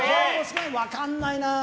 分かんないな。